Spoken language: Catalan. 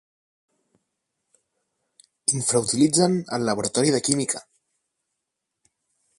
Infrautilitzen el laboratori de química.